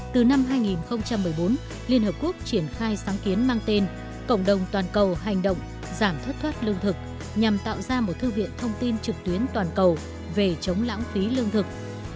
từ năm hai nghìn một mươi bốn liên hợp quốc triển khai sáng kiến mang tên cộng đồng toàn cầu hành động giảm thất thoát lương thực nhằm tạo ra một thư viện thông tin trực tuyến toàn cầu về chống lãng phí lương thực